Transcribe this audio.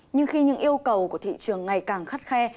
nhưng khi những yêu cầu của thị trường ngày càng khắt khe